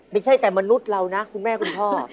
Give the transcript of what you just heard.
ไม่ใช่แต่มนุษย์เรานะคุณแม่คุณพ่อ